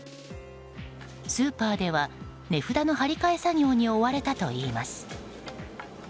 スーパーでは値札の貼り替え作業に追われたといいます。